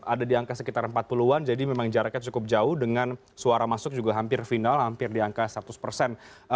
ada di angka sekitar empat puluh an jadi memang jaraknya cukup jauh dengan suara masuk juga hampir final hampir di angka seratus persen